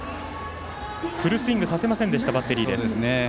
フルスイングさせませんでしたバッテリーです。